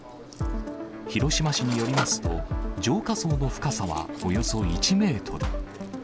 広島市によりますと、浄化槽の深さはおよそ１メートル。